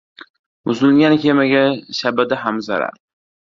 • Buzilgan kemaga shabada ham zarar.